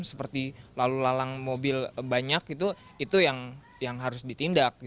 seperti lalu lalang mobil banyak itu yang harus ditindak